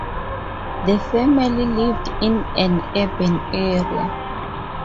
The family lived in an urban area.